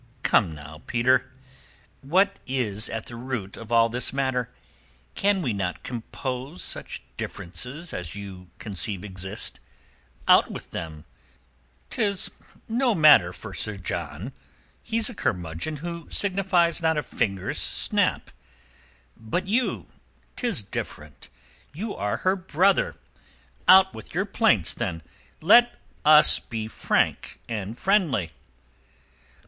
"Come, now, Peter. What is at the root of all this matter? Can we not compose such differences as you conceive exist? Out with them. 'Tis no matter for Sir John. He's a curmudgeon who signifies not a finger's snap. But you, 'tis different. You are her brother. Out with your plaints, then. Let us be frank and friendly."